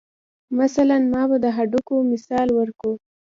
مثلاً ما د هډوکو مثال ورکو.